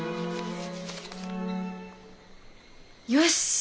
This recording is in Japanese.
よし！